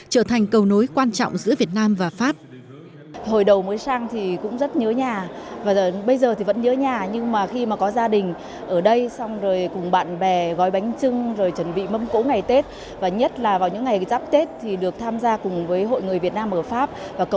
trở thành cầu nối quan trọng giữa việt nam và pháp